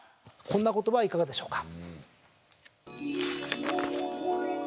こんな言葉はいかがでしょうか。